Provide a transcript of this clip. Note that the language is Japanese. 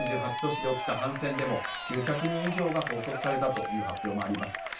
３８都市で起きた反戦デモ９００人以上が拘束されたという発表もあります。